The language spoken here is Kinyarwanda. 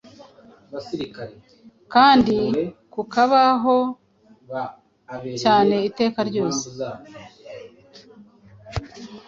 kandi kukabaho cyane iteka ryose